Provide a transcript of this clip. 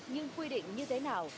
nhưng quy định như thế nào